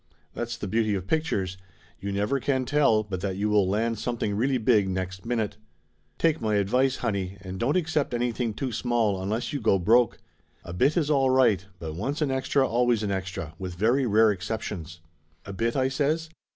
That's the beauty of pictures; you never can tell but that you will land something really big next minute. Take my advice, honey, and don't accept anything too small unless you go broke. A bit is all right, but once an extra always an extra, with very rare exceptions." "A bit?" I says.